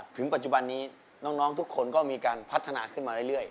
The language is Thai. ถึงปัจจุบันนี้น้องทุกคนก็มีการพัฒนาขึ้นมาเรื่อย